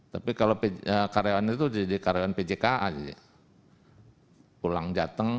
tapi kalau karyawan itu jadi karyawan pjka pulang jateng